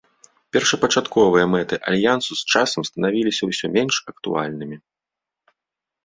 Першапачатковыя мэты альянсу з часам станавіліся ўсё менш актуальнымі.